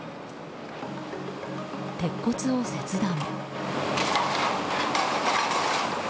鉄骨を切断。